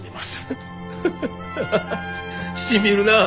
フフフハハハしみるなあ。